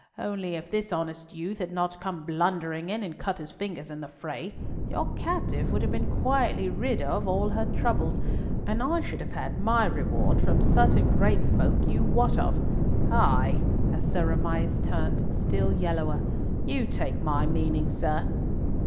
Only if this honest youth had not come blundering in and cut his fingers in the fray, your captive would have been quietly rid of all her troubles, and I should have had my reward from certain great folk you wot of. Ay," as Sir Amias turned still yellower, "you take my meaning, sir."